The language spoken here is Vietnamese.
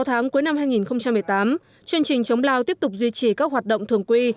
sáu tháng cuối năm hai nghìn một mươi tám chương trình chống lao tiếp tục duy trì các hoạt động thường quy